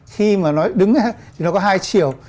khi mà nó đứng thì nó có hai triệu